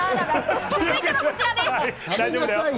続いてはこちらです。